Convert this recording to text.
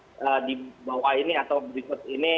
maka pastikan hal hal di bawah ini atau di bawah ini